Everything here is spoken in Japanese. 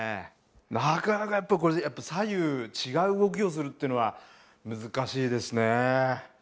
なかなかやっぱりこれ左右違う動きをするっていうのは難しいですね。